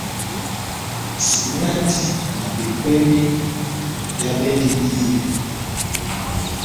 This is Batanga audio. Simɛndi na bekweni bia bendi díyɛ.